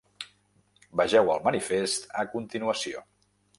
Vegeu el manifest a continuació.